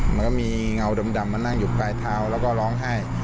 มันก็มีเงาดำมานั่งอยู่ปลายเท้าแล้วก็ร้องไห้